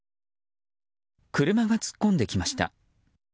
車が突っ込んできました。